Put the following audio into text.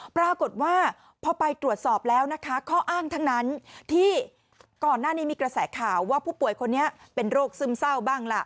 ปรากฏว่าพอไปตรวจสอบแล้วนะคะข้ออ้างทั้งนั้นที่ก่อนหน้านี้มีกระแสข่าวว่าผู้ป่วยคนนี้เป็นโรคซึมเศร้าบ้างล่ะ